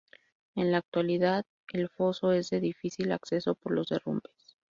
En la actualidad, el foso es de difícil acceso por los derrumbes.